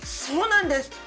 そうなんです。